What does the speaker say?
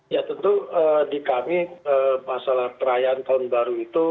ya tentu di kami masalah perayaan tahun baru itu